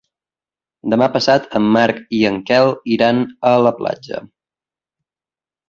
Demà passat en Marc i en Quel iran a la platja.